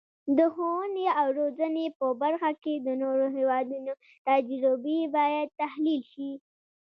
د ښوونې او روزنې په برخه کې د نورو هیوادونو تجربې باید تحلیل شي.